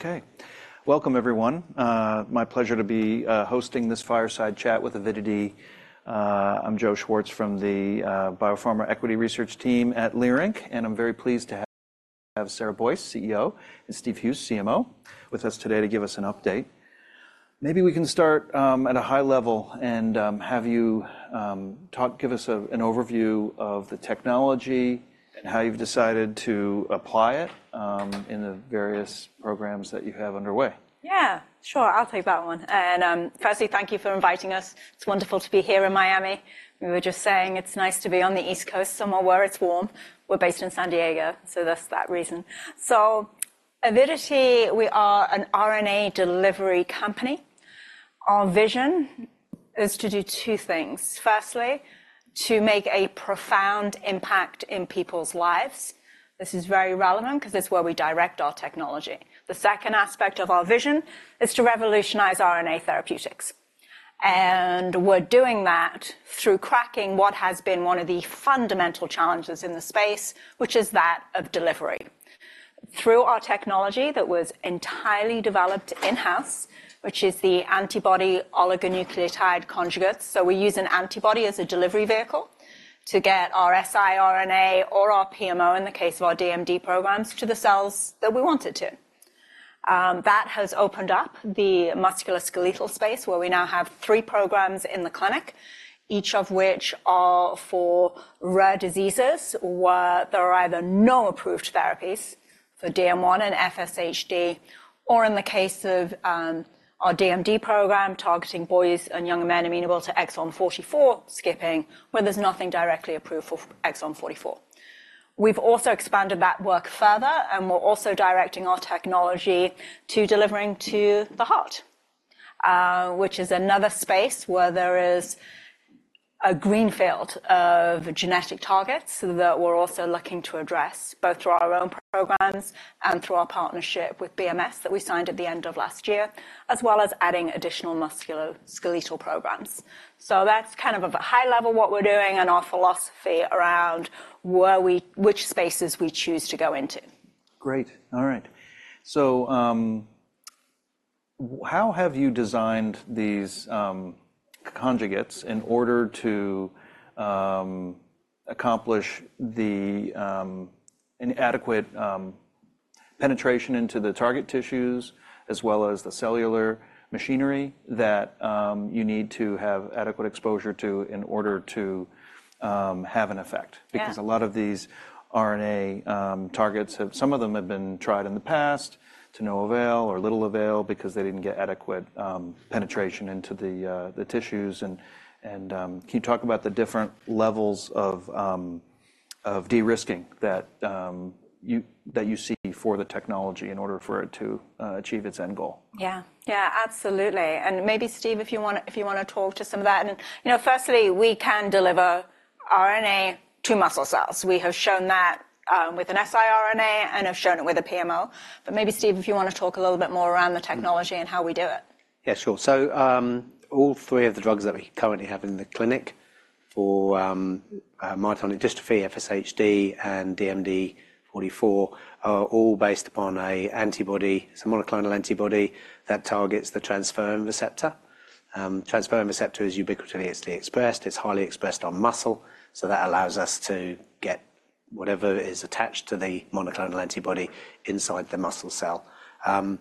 OK, welcome everyone. My pleasure to be hosting this fireside chat with Avidity. I'm Joe Schwartz from the BioPharma Equity Research Team at Leerink, and I'm very pleased to have Sarah Boyce, CEO, and Steve Hughes, CMO, with us today to give us an update. Maybe we can start at a high level and have you give us an overview of the technology and how you've decided to apply it in the various programs that you have underway. Yeah, sure. I'll take that one. Firstly, thank you for inviting us. It's wonderful to be here in Miami. We were just saying it's nice to be on the East Coast somewhere where it's warm. We're based in San Diego, so that's that reason. Avidity, we are an RNA Delivery Company. Our vision is to do two things. Firstly, to make a profound impact in people's lives. This is very relevant because it's where we direct our technology. The second aspect of our vision is to revolutionize RNA Therapeutics. And we're doing that through cracking what has been one of the fundamental challenges in the space, which is that of delivery. Through our technology that was entirely developed in-house, which is the antibody oligonucleotide conjugates, so we use an antibody as a delivery vehicle to get our siRNA or our PMO, in the case of our DMD programs, to the cells that we want it to. That has opened up the musculoskeletal space, where we now have three programs in the clinic, each of which are for rare diseases where there are either no approved therapies for DM1 and FSHD, or in the case of our DMD program targeting boys and young men amenable to exon 44 skipping, where there's nothing directly approved for exon 44. We've also expanded that work further, and we're also directing our technology to delivering to the heart, which is another space where there is a greenfield of genetic targets that we're also looking to address both through our own programs and through our partnership with BMS that we signed at the end of last year, as well as adding additional musculoskeletal programs. So that's kind of, at a high level, what we're doing and our philosophy around which spaces we choose to go into. Great. All right. So how have you designed these conjugates in order to accomplish an adequate penetration into the target tissues, as well as the cellular machinery that you need to have adequate exposure to in order to have an effect? Because a lot of these RNA targets, some of them have been tried in the past, to no avail or little avail, because they didn't get adequate penetration into the tissues. And can you talk about the different levels of de-risking that you see for the technology in order for it to achieve its end goal? Yeah, yeah, absolutely. And maybe, Steve, if you want to talk to some of that. And firstly, we can deliver RNA to muscle cells. We have shown that with an siRNA and have shown it with a PMO. But maybe, Steve, if you want to talk a little bit more around the technology and how we do it. Yeah, sure. So all three of the drugs that we currently have in the clinic for myotonic dystrophy, FSHD, and DMD 44 are all based upon an antibody, it's a monoclonal antibody that targets the transferrin receptor. Transferrin receptor is ubiquitously expressed. It's highly expressed on muscle, so that allows us to get whatever is attached to the monoclonal antibody inside the muscle cell.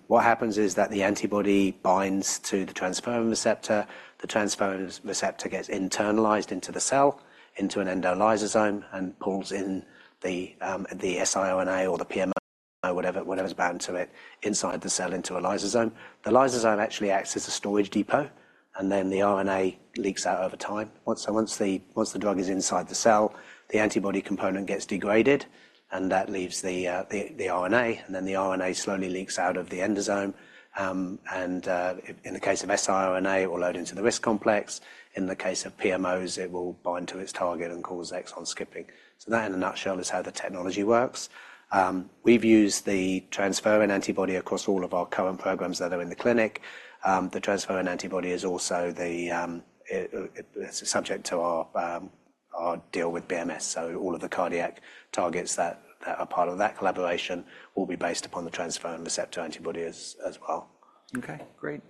What happens is that the antibody binds to the transferrin receptor. The transferrin receptor gets internalized into the cell, into an endolysosome, and pulls in the siRNA or the PMO, whatever's bound to it, inside the cell into a lysosome. The lysosome actually acts as a storage depot, and then the RNA leaks out over time. So once the drug is inside the cell, the antibody component gets degraded, and that leaves the RNA. And then the RNA slowly leaks out of the endosome. And in the case of siRNA, it will load into the RISC complex. In the case of PMOs, it will bind to its target and cause exon skipping. So that, in a nutshell, is how the technology works. We've used the transferrin antibody across all of our current programs that are in the clinic. The transferrin antibody is also subject to our deal with BMS. So all of the cardiac targets that are part of that collaboration will be based upon the transferrin receptor antibody as well. OK, great.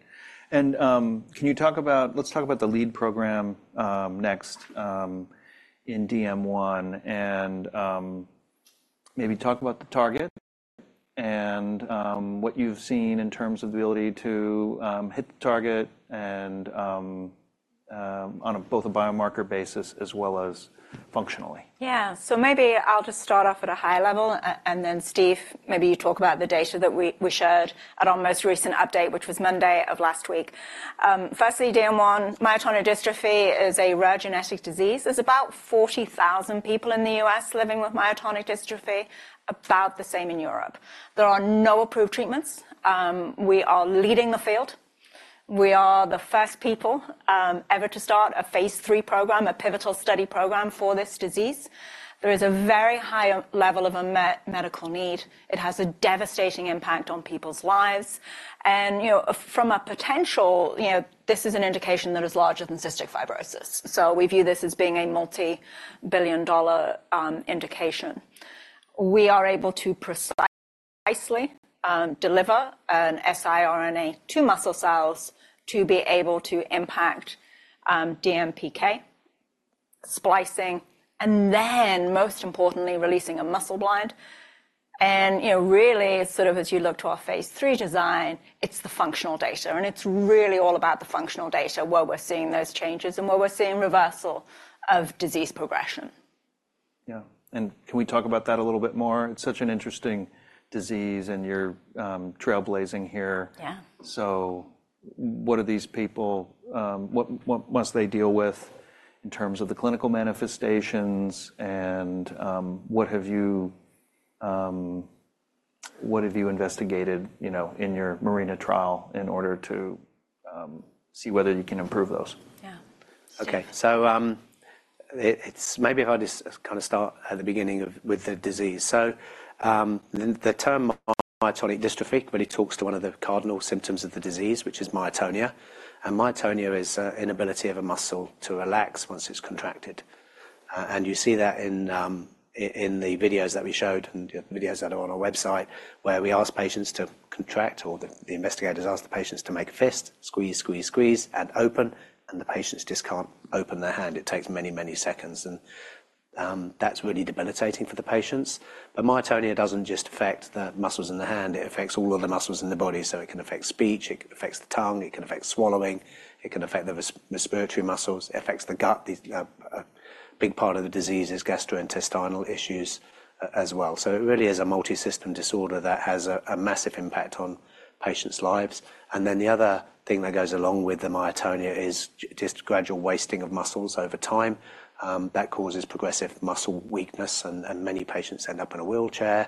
And let's talk about the lead program next in DM1. And maybe talk about the target and what you've seen in terms of the ability to hit the target on both a biomarker basis as well as functionally. Yeah, so maybe I'll just start off at a high level, and then Steve, maybe you talk about the data that we shared at our most recent update, which was Monday of last week. Firstly, DM1, myotonic dystrophy is a rare genetic disease. There's about 40,000 people in the US living with myotonic dystrophy, about the same in Europe. There are no approved treatments. We are leading the field. We are the first people ever to start a phase lll program, a pivotal study program for this disease. There is a very high level of a medical need. It has a devastating impact on people's lives. And from a potential, this is an indication that is larger than cystic fibrosis. So we view this as being a multi-billion-dollar indication. We are able to precisely deliver an siRNA to muscle cells to be able to impact DMPK, splicing, and then, most importantly, releasing Muscleblind. Really, sort of as you look to our phase lll design, it's the functional data. It's really all about the functional data where we're seeing those changes and where we're seeing reversal of disease progression. Yeah. Can we talk about that a little bit more? It's such an interesting disease, and you're trailblazing here. So what must they deal with in terms of the clinical manifestations? And what have you investigated in your MARINA trial in order to see whether you can improve those? Yeah. OK, it's maybe hard to kind of start at the beginning with the disease. The term myotonic dystrophy talks to one of the cardinal symptoms of the disease, which is myotonia. Myotonia is an inability of a muscle to relax once it's contracted. You see that in the videos that we showed and the videos that are on our website, where we ask patients to contract, or the investigators ask the patients to make a fist, squeeze, squeeze, squeeze, and open. The patients just can't open their hand. It takes many, many seconds. That's really debilitating for the patients. Myotonia doesn't just affect the muscles in the hand. It affects all of the muscles in the body. It can affect speech. It affects the tongue. It can affect swallowing. It can affect the respiratory muscles. It affects the gut. A big part of the disease is gastrointestinal issues as well. So it really is a multi-system disorder that has a massive impact on patients' lives. And then the other thing that goes along with the myotonia is just gradual wasting of muscles over time. That causes progressive muscle weakness, and many patients end up in a wheelchair.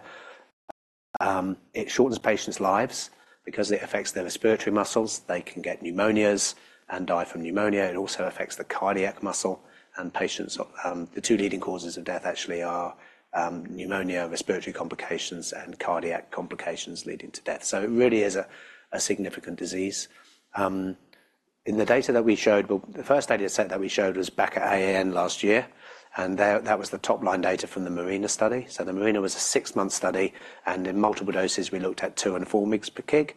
It shortens patients' lives because it affects their respiratory muscles. They can get pneumonias and die from pneumonia. It also affects the cardiac muscle. And patients the two leading causes of death actually are pneumonia, respiratory complications, and cardiac complications leading to death. So it really is a significant disease. In the data that we showed well, the first data set that we showed was back at AAN last year. And that was the top line data from the MARINA study. So the MARINA was a six-month study. In multiple doses, we looked at 2 and 4 mg per kg.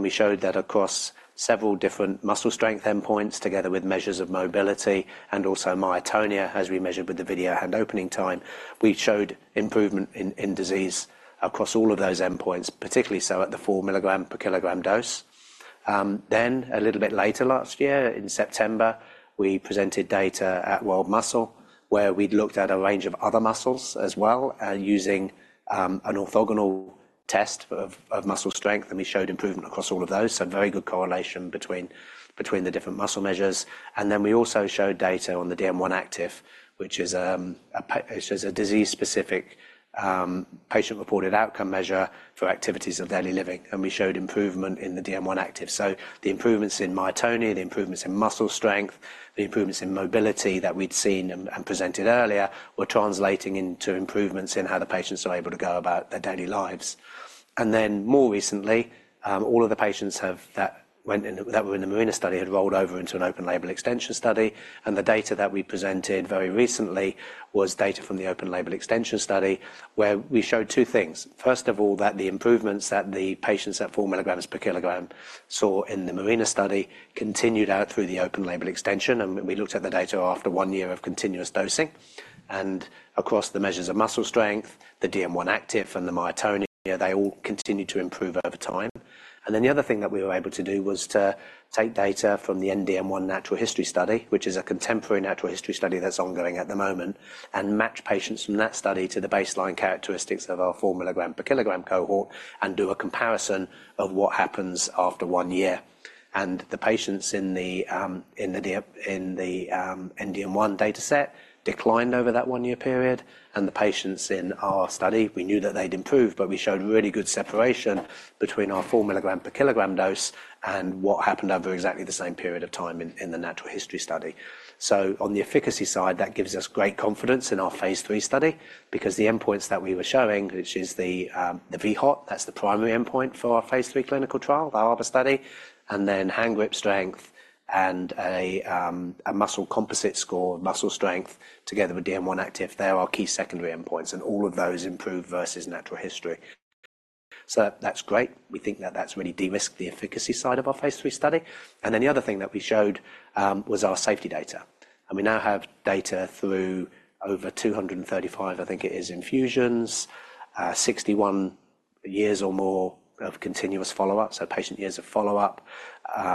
We showed that across several different muscle strength endpoints, together with measures of mobility and also myotonia, as we measured with the video hand opening time, we showed improvement in disease across all of those endpoints, particularly so at the 4 mg per kg dose. Then a little bit later last year, in September, we presented data at World Muscle, where we looked at a range of other muscles as well using an orthogonal test of muscle strength. We showed improvement across all of those, so very good correlation between the different muscle measures. Then we also showed data on the DM1-Activ, which is a disease-specific patient-reported outcome measure for activities of daily living. We showed improvement in the DM1-Activ. So the improvements in myotonia, the improvements in muscle strength, the improvements in mobility that we'd seen and presented earlier were translating into improvements in how the patients are able to go about their daily lives. And then more recently, all of the patients that were in the MARINA study had rolled over into an open label extension study. And the data that we presented very recently was data from the open label extension study, where we showed two things. First of all, that the improvements that the patients at 4 milligrams per kilogram saw in the MARINA study continued out through the open label extension. And we looked at the data after one year of continuous dosing. And across the measures of muscle strength, the DM1-Activ, and the myotonia, they all continued to improve over time. And then the other thing that we were able to do was to take data from the NDM1 natural history study, which is a contemporary natural history study that's ongoing at the moment, and match patients from that study to the baseline characteristics of our 4 milligram per kilogram cohort and do a comparison of what happens after 1 year. And the patients in the NDM1 data set declined over that 1-year period. And the patients in our study, we knew that they'd improved, but we showed really good separation between our 4 milligram per kilogram dose and what happened over exactly the same period of time in the natural history study. So on the efficacy side, that gives us great confidence in our phase lll study because the endpoints that we were showing, which is the VHOT, that's the primary endpoint for our phase lll clinical trial, our HARBOR study, and then hand grip strength and a muscle composite score of muscle strength together with DM1-Activ, they are our key secondary endpoints. And all of those improve versus natural history. So that's great. We think that that's really de-risked the efficacy side of our phase lll study. And then the other thing that we showed was our safety data. And we now have data through over 235, I think it is, infusions, 61 years or more of continuous follow-up, so patient years of follow-up.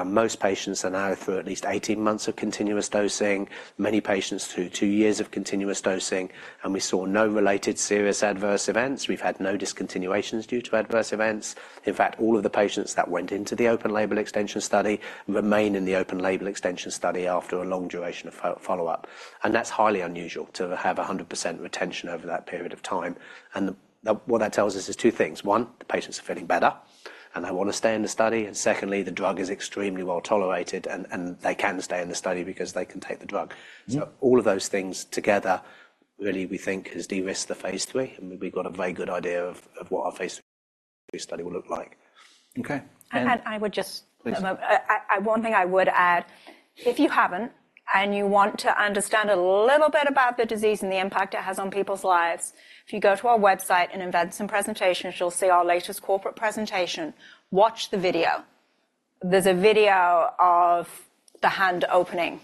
Most patients are now through at least 18 months of continuous dosing, many patients through 2 years of continuous dosing. We saw no related serious adverse events. We've had no discontinuations due to adverse events. In fact, all of the patients that went into the open label extension study remain in the open label extension study after a long duration of follow-up. That's highly unusual to have 100% retention over that period of time. What that tells us is two things. One, the patients are feeling better, and they want to stay in the study. Secondly, the drug is extremely well tolerated, and they can stay in the study because they can take the drug. All of those things together, really, we think, has de-risked the phase lll. We've got a very good idea of what our phase lll study will look like. OK. And I would just add one thing. If you haven't and you want to understand a little bit about the disease and the impact it has on people's lives, if you go to our website and embed some presentations, you'll see our latest corporate presentation. Watch the video. There's a video of the hand opening.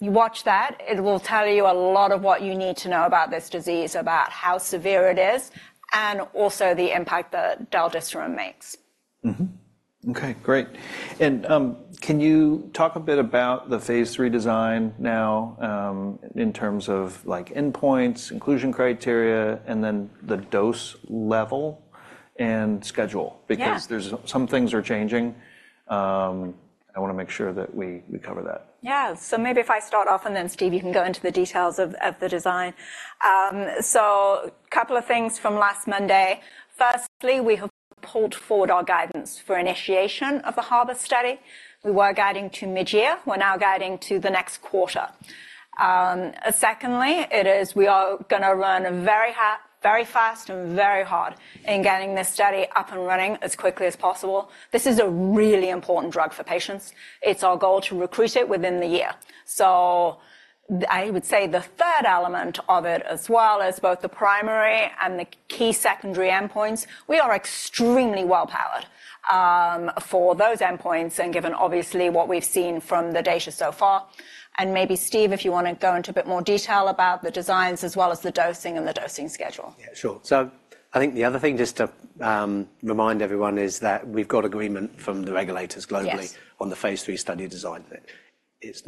You watch that. It will tell you a lot of what you need to know about this disease, about how severe it is, and also the impact that Del-desiran makes. OK, great. Can you talk a bit about the phase lll design now in terms of endpoints, inclusion criteria, and then the dose level and schedule? Because some things are changing. I want to make sure that we cover that. Yeah, so maybe if I start off, and then Steve, you can go into the details of the design. A couple of things from last Monday. Firstly, we have pulled forward our guidance for initiation of the HARBOR study. We were guiding to mid-year. We're now guiding to the next quarter. Secondly, it is we are going to run very fast and very hard in getting this study up and running as quickly as possible. This is a really important drug for patients. It's our goal to recruit it within the year. I would say the third element of it, as well as both the primary and the key secondary endpoints, we are extremely well powered for those endpoints and given, obviously, what we've seen from the data so far. Maybe, Steve, if you want to go into a bit more detail about the designs as well as the dosing and the dosing schedule. Yeah, sure. So I think the other thing, just to remind everyone, is that we've got agreement from the regulators globally on the phase lll study design. It's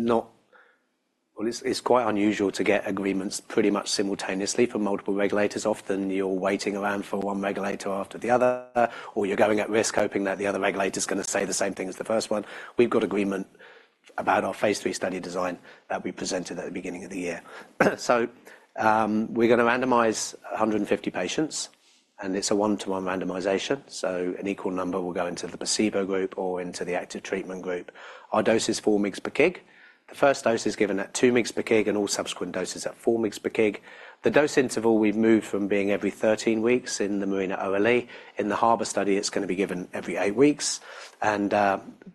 quite unusual to get agreements pretty much simultaneously from multiple regulators. Often, you're waiting around for one regulator after the other, or you're going at risk hoping that the other regulator is going to say the same thing as the first one. We've got agreement about our phase lll study design that we presented at the beginning of the year. So we're going to randomize 150 patients. And it's a 1:1 randomization. So an equal number will go into the placebo group or into the active treatment group. Our dose is 4 mg/kg. The first dose is given at 2 mg/kg, and all subsequent doses at 4 mg/kg. The dose interval, we've moved from being every 13 weeks in the MARINA-OLE. In the HARBOR study, it's going to be given every 8 weeks.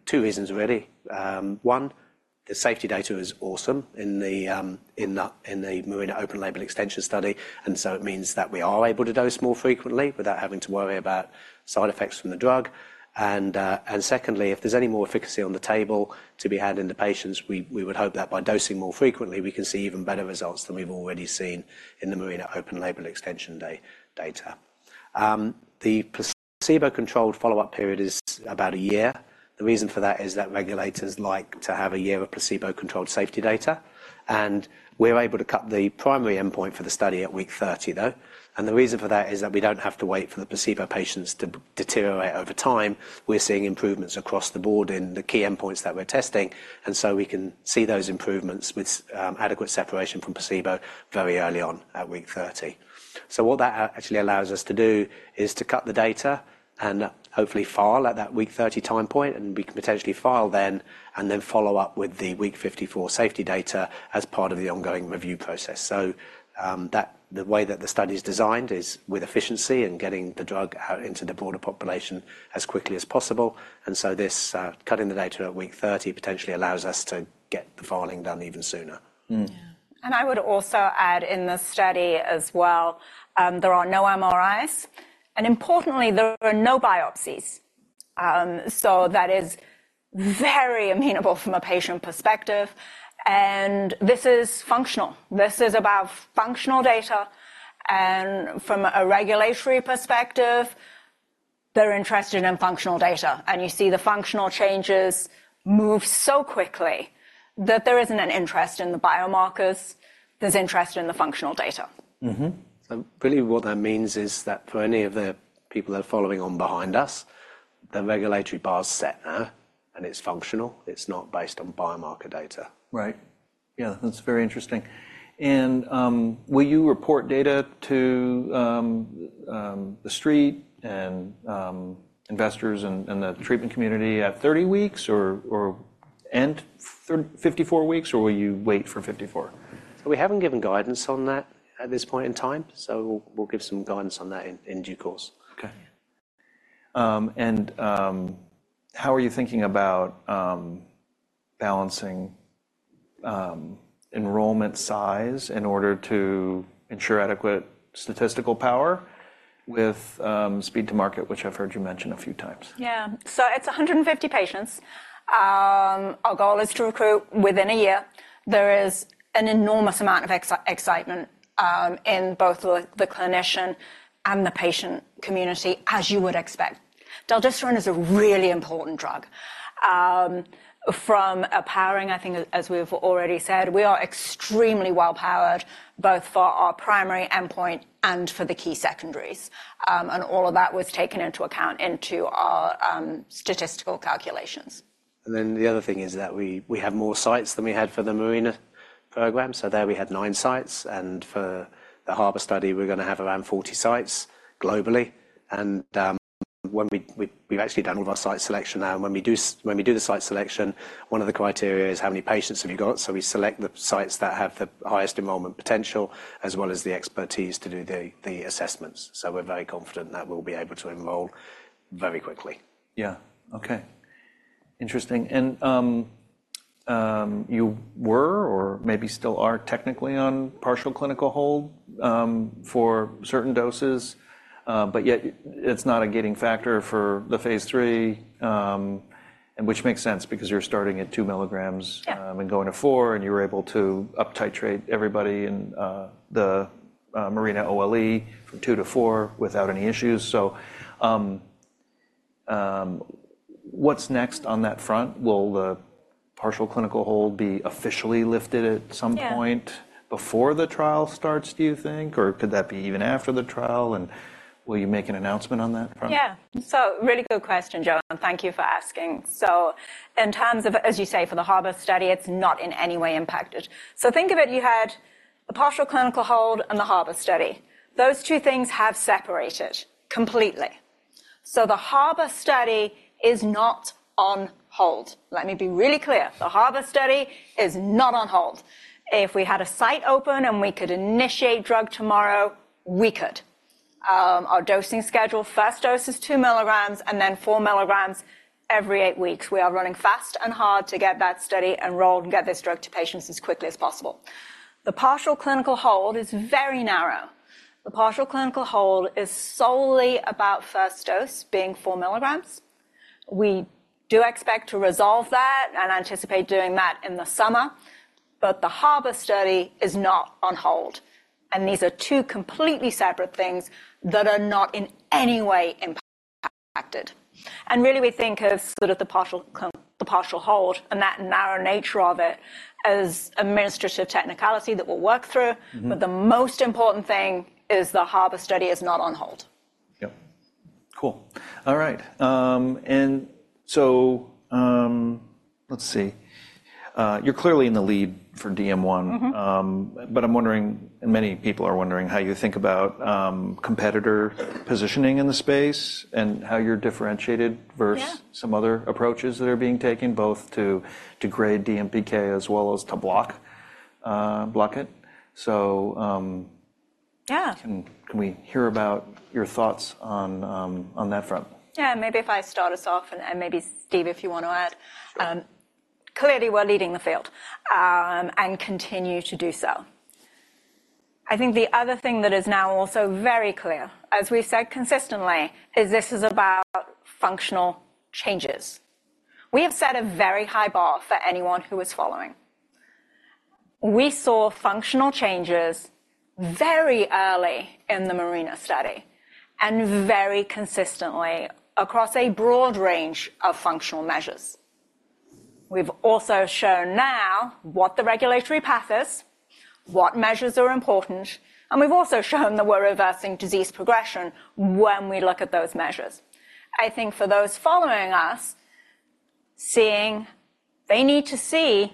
Two reasons, really. One, the safety data is awesome in the MARINA open-label extension study. And so it means that we are able to dose more frequently without having to worry about side effects from the drug. And secondly, if there's any more efficacy on the table to be had in the patients, we would hope that by dosing more frequently, we can see even better results than we've already seen in the MARINA open-label extension data. The placebo-controlled follow-up period is about a year. The reason for that is that regulators like to have a year of placebo-controlled safety data. And we're able to cut the primary endpoint for the study at week 30, though. And the reason for that is that we don't have to wait for the placebo patients to deteriorate over time. We're seeing improvements across the board in the key endpoints that we're testing. And so we can see those improvements with adequate separation from placebo very early on at week 30. So what that actually allows us to do is to cut the data and hopefully file at that week 30 time point. And we can potentially file then and then follow up with the week 54 safety data as part of the ongoing review process. So the way that the study is designed is with efficiency and getting the drug out into the broader population as quickly as possible. And so this cutting the data at week 30 potentially allows us to get the filing done even sooner. I would also add, in this study as well, there are no MRIs. Importantly, there are no biopsies. So that is very amenable from a patient perspective. This is functional. This is about functional data. From a regulatory perspective, they're interested in functional data. You see the functional changes move so quickly that there isn't an interest in the biomarkers. There's interest in the functional data. So really, what that means is that for any of the people that are following on behind us, the regulatory bar is set now. It's functional. It's not based on biomarker data. Right. Yeah, that's very interesting. And will you report data to the street and investors and the treatment community at 30 weeks or end 54 weeks? Or will you wait for 54? We haven't given guidance on that at this point in time. We'll give some guidance on that in due course. OK. How are you thinking about balancing enrollment size in order to ensure adequate statistical power with speed to market, which I've heard you mention a few times? Yeah, so it's 150 patients. Our goal is to recruit within a year. There is an enormous amount of excitement in both the clinician and the patient community, as you would expect. Del-desiran is a really important drug. From our powering, I think, as we've already said, we are extremely well powered both for our primary endpoint and for the key secondaries. And all of that was taken into account into our statistical calculations. And then the other thing is that we have more sites than we had for the MARINA program. So there we had nine sites. And for the HARBOR study, we're going to have around 40 sites globally. And we've actually done all of our site selection now. And when we do the site selection, one of the criteria is how many patients have you got. So we select the sites that have the highest enrollment potential as well as the expertise to do the assessments. So we're very confident that we'll be able to enroll very quickly. Yeah, OK. Interesting. And you were or maybe still are technically on partial clinical hold for certain doses. But yet, it's not a gating factor for the phase lll, which makes sense because you're starting at 2 milligrams and going to four. And you were able to up-titrate everybody in the MARINA-OLE from 2 to 4 without any issues. So what's next on that front? Will the partial clinical hold be officially lifted at some point before the trial starts, do you think? Or could that be even after the trial? And will you make an announcement on that front? Yeah, so really good question, Joe. Thank you for asking. So in terms of, as you say, for the HARBOR study, it's not in any way impacted. So think of it. You had a partial clinical hold and the HARBOR study. Those two things have separated completely. So the HARBOR study is not on hold. Let me be really clear. The HARBOR study is not on hold. If we had a site open and we could initiate drug tomorrow, we could. Our dosing schedule, first dose is 2 milligrams and then 4 milligrams every 8 weeks. We are running fast and hard to get that study enrolled and get this drug to patients as quickly as possible. The partial clinical hold is very narrow. The partial clinical hold is solely about first dose being 4 milligrams. We do expect to resolve that and anticipate doing that in the summer. But the HARBOR study is not on hold. These are two completely separate things that are not in any way impacted. Really, we think of the partial hold and that narrow nature of it as an administrative technicality that we'll work through. But the most important thing is the HARBOR study is not on hold. Yep, cool. All right. And so let's see. You're clearly in the lead for DM1. But I'm wondering, and many people are wondering, how you think about competitor positioning in the space and how you're differentiated versus some other approaches that are being taken both to degrade DMPK as well as to block it. So can we hear about your thoughts on that front? Yeah, maybe if I start us off, and maybe, Steve, if you want to add. Clearly, we're leading the field and continue to do so. I think the other thing that is now also very clear, as we've said consistently, is this is about functional changes. We have set a very high bar for anyone who is following. We saw functional changes very early in the MARINA study and very consistently across a broad range of functional measures. We've also shown now what the regulatory path is, what measures are important. And we've also shown that we're reversing disease progression when we look at those measures. I think for those following us, seeing they need to see,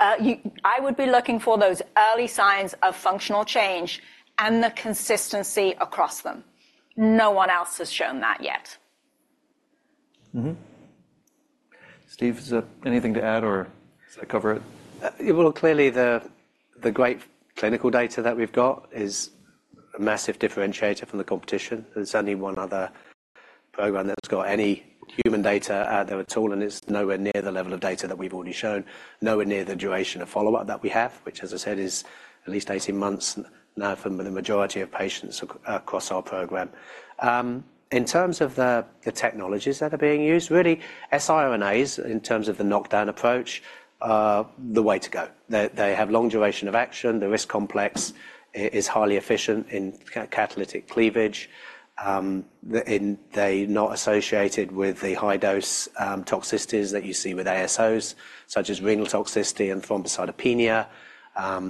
I would be looking for those early signs of functional change and the consistency across them. No one else has shown that yet. Steve, is there anything to add? Or does that cover it? Well, clearly, the great clinical data that we've got is a massive differentiator from the competition. There's only one other program that's got any human data out there at all. It's nowhere near the level of data that we've already shown, nowhere near the duration of follow-up that we have, which, as I said, is at least 18 months now for the majority of patients across our program. In terms of the technologies that are being used, really, siRNAs, in terms of the knockdown approach, are the way to go. They have long duration of action. The RISC complex is highly efficient in catalytic cleavage. They're not associated with the high-dose toxicities that you see with ASOs, such as renal toxicity and thrombocytopenia.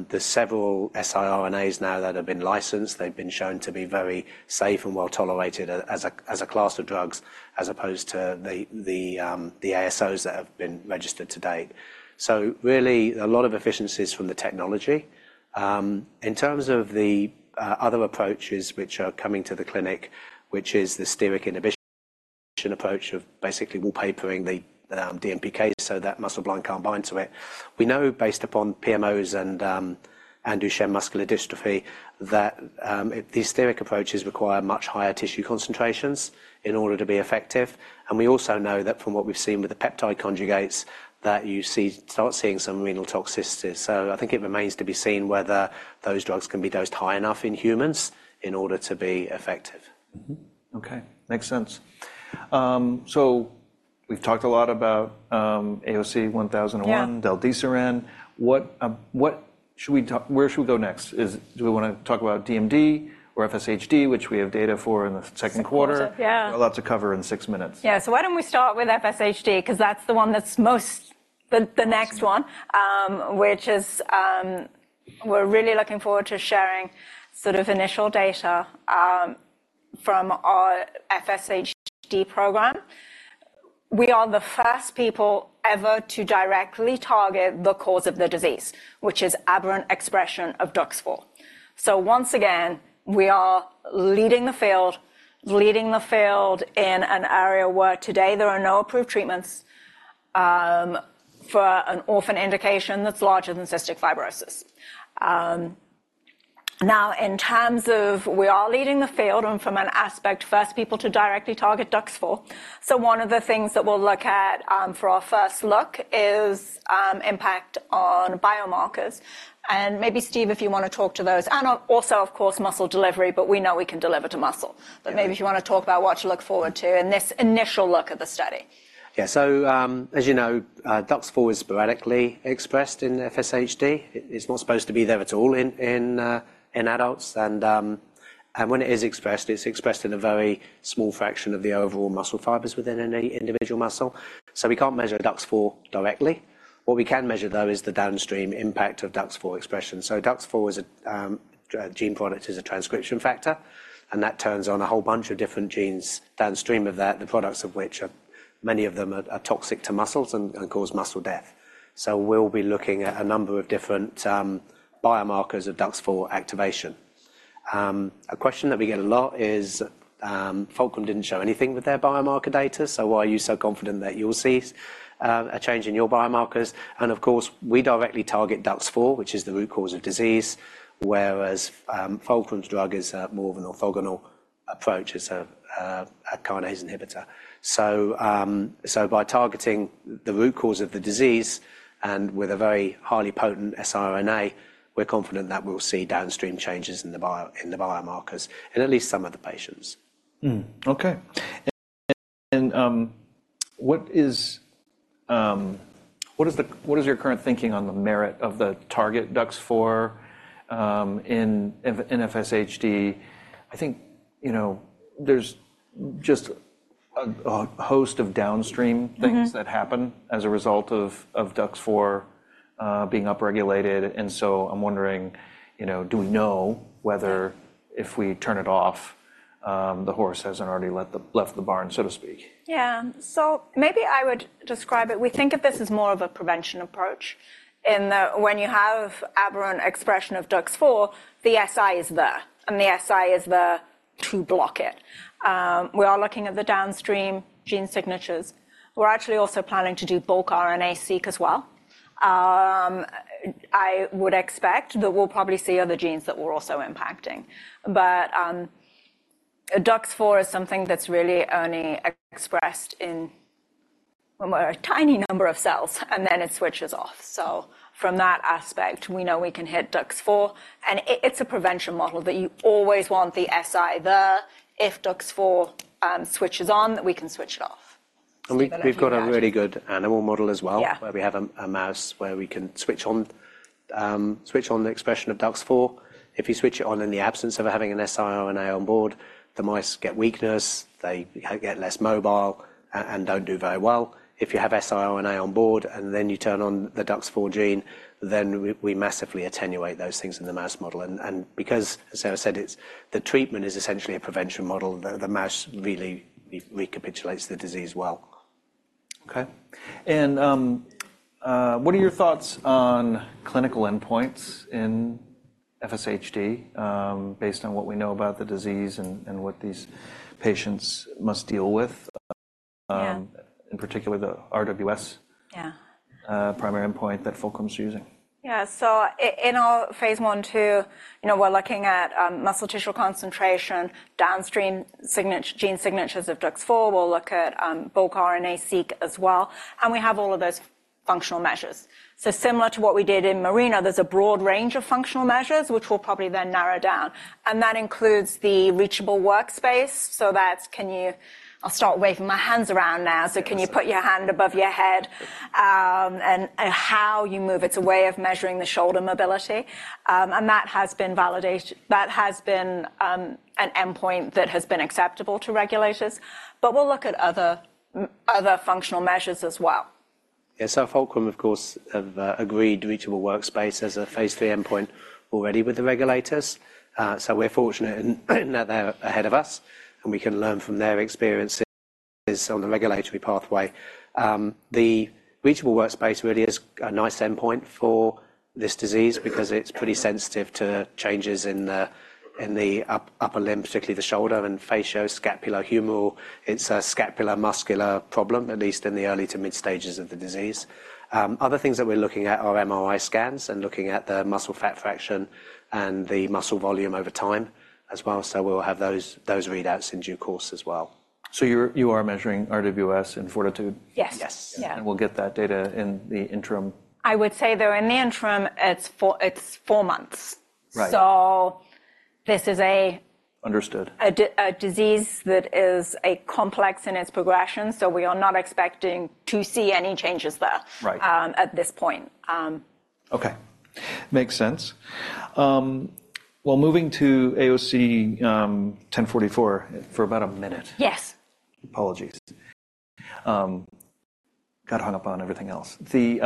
There's several siRNAs now that have been licensed. They've been shown to be very safe and well tolerated as a class of drugs as opposed to the ASOs that have been registered to date. So really, a lot of efficiencies from the technology. In terms of the other approaches which are coming to the clinic, which is the steroid inhibition approach of basically wallpapering the DMPK so that muscleblind can't bind to it, we know, based upon PMOs and Duchenne muscular dystrophy, that these steroid approaches require much higher tissue concentrations in order to be effective. We also know that from what we've seen with the peptide conjugates, that you start seeing some renal toxicities. I think it remains to be seen whether those drugs can be dosed high enough in humans in order to be effective. OK, makes sense. So we've talked a lot about AOC 1001, del-desiran. Where should we go next? Do we want to talk about DMD or FSHD, which we have data for in the second quarter? We've got lots to cover in six minutes. Yeah, so why don't we start with FSHD because that's the one that's the next one, which is we're really looking forward to sharing sort of initial data from our FSHD program. We are the first people ever to directly target the cause of the disease, which is aberrant expression of DUX4. So once again, we are leading the field, leading the field in an area where today there are no approved treatments for an orphan indication that's larger than cystic fibrosis. Now, in terms of we are leading the field and, from an aspect, first people to directly target DUX4. So one of the things that we'll look at for our first look is impact on biomarkers. And maybe, Steve, if you want to talk to those. And also, of course, muscle delivery. But we know we can deliver to muscle. Maybe if you want to talk about what to look forward to in this initial look at the study. Yeah, so as you know, DUX4 is sporadically expressed in FSHD. It's not supposed to be there at all in adults. And when it is expressed, it's expressed in a very small fraction of the overall muscle fibers within any individual muscle. So we can't measure DUX4 directly. What we can measure, though, is the downstream impact of DUX4 expression. So DUX4 is a gene product is a transcription factor. And that turns on a whole bunch of different genes downstream of that, the products of which many of them are toxic to muscles and cause muscle death. So we'll be looking at a number of different biomarkers of DUX4 activation. A question that we get a lot is Fulcrum didn't show anything with their biomarker data. So why are you so confident that you'll see a change in your biomarkers? Of course, we directly target DUX4, which is the root cause of disease, whereas Fulcrum's drug is more of an orthogonal approach as a kinase inhibitor. So by targeting the root cause of the disease and with a very highly potent siRNA, we're confident that we'll see downstream changes in the biomarkers in at least some of the patients. OK. And what is your current thinking on the merit of the target DUX4 in FSHD? I think there's just a host of downstream things that happen as a result of DUX4 being upregulated. And so I'm wondering, do we know whether, if we turn it off, the horse hasn't already left the barn, so to speak? Yeah, so maybe I would describe it. We think of this as more of a prevention approach. When you have aberrant expression of DUX4, the siRNA is there. The siRNA is there to block it. We are looking at the downstream gene signatures. We're actually also planning to do bulk RNA-seq as well. I would expect that we'll probably see other genes that we're also impacting. But DUX4 is something that's really only expressed in a tiny number of cells. Then it switches off. From that aspect, we know we can hit DUX4. It's a prevention model that you always want the siRNA there. If DUX4 switches on, we can switch it off. We've got a really good animal model as well, where we have a mouse where we can switch on the expression of DUX4. If you switch it on in the absence of having an siRNA on board, the mice get weakness. They get less mobile and don't do very well. If you have siRNA on board and then you turn on the DUX4 gene, then we massively attenuate those things in the mouse model. And because, as I said, the treatment is essentially a prevention model, the mouse really recapitulates the disease well. OK. What are your thoughts on clinical endpoints in FSHD based on what we know about the disease and what these patients must deal with, in particular the RWS primary endpoint that Fulcrum's using? Yeah, so in phase one and two, we're looking at muscle tissue concentration, downstream gene signatures of DUX4. We'll look at bulk RNA-seq as well. And we have all of those functional measures. So similar to what we did in MARINA, there's a broad range of functional measures, which we'll probably then narrow down. And that includes the Reachable Workspace. So that's can you. I'll start waving my hands around now. So can you put your hand above your head? And how you move, it's a way of measuring the shoulder mobility. And that has been an endpoint that has been acceptable to regulators. But we'll look at other functional measures as well. Yeah, so Fulcrum, of course, have agreed Reachable Workspace as a phase lll endpoint already with the regulators. So we're fortunate in that they're ahead of us. And we can learn from their experiences on the regulatory pathway. The Reachable Workspace really is a nice endpoint for this disease because it's pretty sensitive to changes in the upper limb, particularly the shoulder and facioscapulohumeral. It's a scapular muscular problem, at least in the early to mid-stages of the disease. Other things that we're looking at are MRI scans and looking at the muscle fat fraction and the muscle volume over time as well. So we'll have those readouts in due course as well. You are measuring RWS in FORTITUDE? Yes. We'll get that data in the interim. I would say, though, in the interim, it's 4 months. So this is a disease that is complex in its progression. So we are not expecting to see any changes there at this point. OK, makes sense. Well, moving to AOC 1044 for about a minute. Yes. Apologies. Got hung up on everything else. The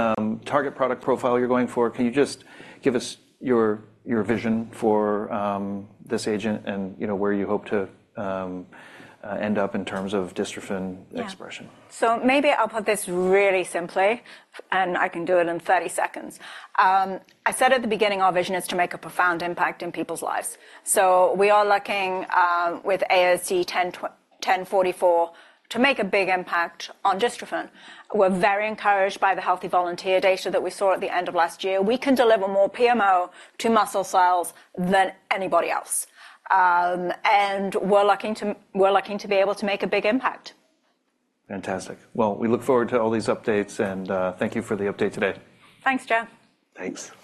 target product profile you're going for, can you just give us your vision for this agent and where you hope to end up in terms of dystrophin expression? So maybe I'll put this really simply. And I can do it in 30 seconds. I said at the beginning, our vision is to make a profound impact in people's lives. So we are looking, with AOC 1044, to make a big impact on dystrophin. We're very encouraged by the healthy volunteer data that we saw at the end of last year. We can deliver more PMO to muscle cells than anybody else. And we're looking to be able to make a big impact. Fantastic. Well, we look forward to all these updates. Thank you for the update today. Thanks, Joe. Thanks.